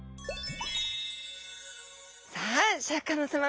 さあシャーク香音さま